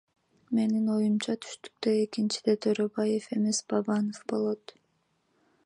Менин оюмча түштүктө экинчиде Төрөбаев эмес Бабанов болот.